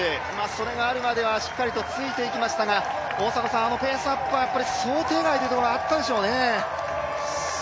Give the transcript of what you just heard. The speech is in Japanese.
それがあるまではしっかりと、ついていきましたが大迫さん、あのペースアップは想定外というところがあったでしょうね。